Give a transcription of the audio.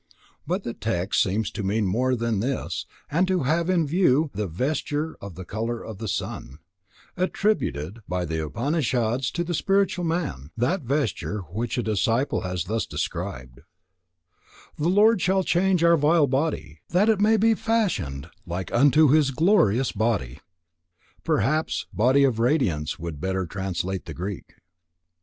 But the text seems to mean more than this and to have in view the "vesture of the colour of the sun" attributed by the Upanishads to the spiritual man; that vesture which a disciple has thus described: "The Lord shall change our vile body, that it may be fashioned like unto his glorious body"; perhaps "body of radiance" would better translate the Greek.